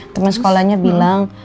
temen sekolahnya bilang